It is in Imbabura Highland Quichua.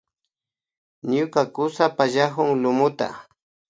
Ñuka kusa pallakun lumuta